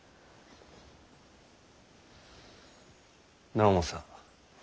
直政。